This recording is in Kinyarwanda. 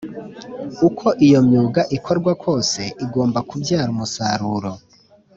uko iyo myuga ikorwa kose igomba kubyara umusaruro